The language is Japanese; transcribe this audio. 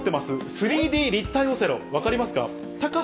３Ｄ立体オセロ、分かりますか？